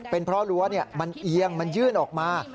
เป็นเพราะรั้วมันเอียงมันยื่นออกมา